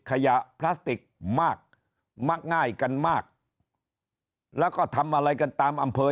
พลาสติกมากง่ายกันมากแล้วก็ทำอะไรกันตามอำเภอ